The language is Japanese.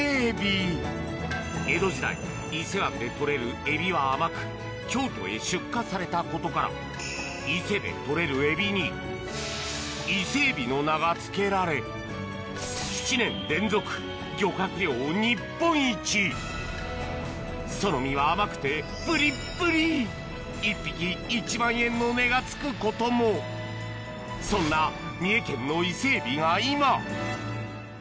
江戸時代伊勢湾で取れるエビは甘く京都へ出荷されたことから伊勢で取れるエビに伊勢えびの名がつけられ７年連続漁獲量日本一その身は甘くてぷりっぷり！の値がつくこともそんな今歯が。